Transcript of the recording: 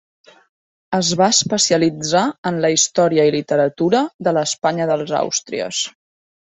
Es va especialitzar en la història i literatura de l'Espanya dels Àustries.